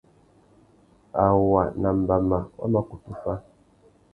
Awa nà mbama wa mà kutu fá.